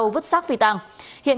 bùi văn an